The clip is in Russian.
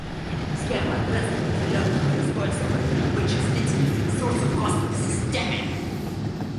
Схема распределенного использования вычислительных ресурсов хостов в системе